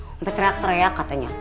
sampai teriak teriak katanya